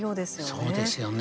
そうですよね